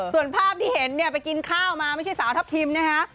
ส่วนภาพที่เห็นเนี่ยไปกินข้าวมาไม่ใช่สาวทัพทิมนะฮะ